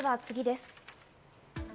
次です。